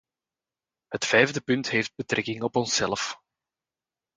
Het vijfde punt heeft betrekking op onszelf.